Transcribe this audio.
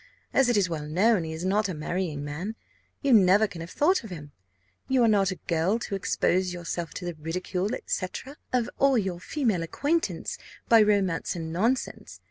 As it is well known he is not a marrying man, you never can have thought of him. You are not a girl to expose yourself to the ridicule, &c., of all your female acquaintance by romance and nonsense.